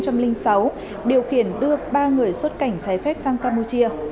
cho người xuất cảnh trái phép sang campuchia